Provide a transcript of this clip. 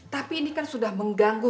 tapi ini kan sudah mengganggu